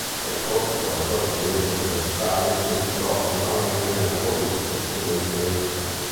Nel corso della sua esperienza universitaria si implicò attivamente nella politica studentesca.